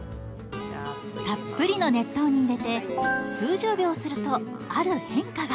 たっぷりの熱湯に入れて数十秒するとある変化が。